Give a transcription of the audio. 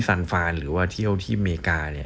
ซานฟานด์หรือว่าที่เอาที่วีชาเงี่ย